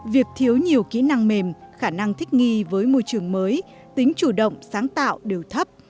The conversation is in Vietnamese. việc thiếu nhiều kỹ năng mềm khả năng thích nghi với môi trường mới tính chủ động sáng tạo đều thấp